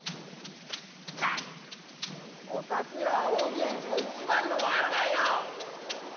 ったくおたくらオーディエンスが一番のワルだよ！